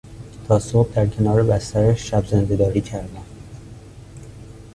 تا صبح در کنار بسترش شبزندهداری کردم.